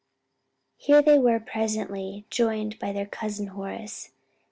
Here they were presently joined by their Cousin Horace.